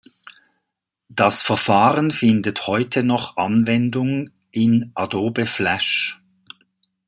Das Verfahren findet heute noch Anwendung in Adobe Flash.